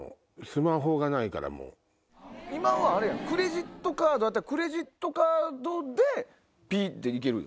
今はクレジットカードやったらクレジットカードでピッ！て行けるよ。